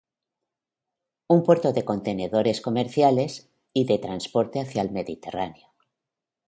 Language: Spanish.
Un puerto de contenedores comerciales y de transporte hacia el Mediterráneo.